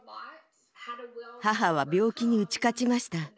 母は病気に打ち勝ちました。